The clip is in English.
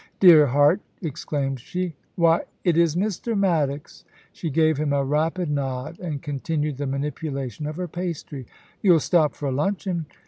* Dear heart !' exclaimed she ;* why it is Mr. Maddox !' She gave him a rapid nod and continued the manipulation of her pastry. * You'll stop for luncheon.